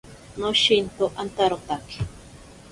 Noshinto antarotake.